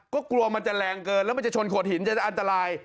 ก็กลัวมันจะแรงเกินแล้วมันจะชนโขดหินจะอันตราย